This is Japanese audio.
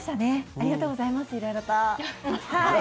ありがとうございます、色々と。